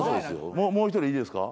もう一人いいですか？